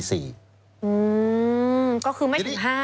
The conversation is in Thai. อืมก็คือไม่ถึง๕